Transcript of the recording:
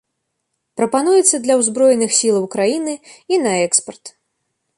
Прапануецца для ўзброеных сілаў краіны і на экспарт.